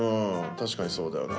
確かにそうだよな。